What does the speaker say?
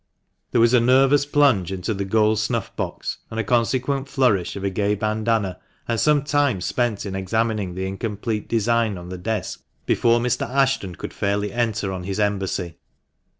There was a nervous plunge into the gold snuff box, and a consequent flourish of a gay bandana, and some time spent in examining the incomplete design on the desk before Mr. Ashton could fairly enter on his embassy.